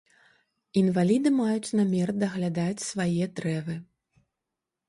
Інваліды маюць намер даглядаць свае дрэвы.